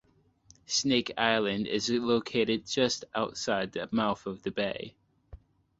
Snake Island is a located just outside the mouth of the bay.